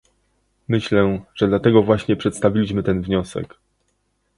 Myślę, że dlatego właśnie przedstawiliśmy ten wniosek